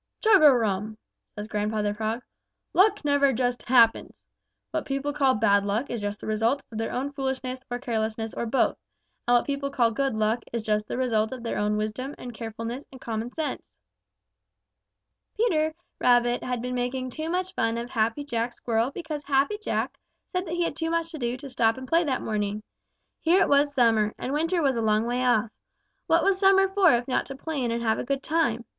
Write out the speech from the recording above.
"Chug a rum!" says Grandfather Frog, "Luck never just happens. What people call bad luck is just the result of their own foolishness or carelessness or both, and what people call good luck is just the result of their own wisdom and carefulness and common sense." Peter Rabbit had been making fun of Happy Jack Squirrel because Happy Jack said that he had too much to do to stop and play that morning. Here it was summer, and winter was a long way off. What was summer for if not to play in and have a good time?